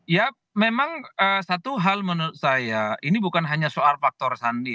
ya memang satu hal menurut saya ini bukan hanya soal faktor sandi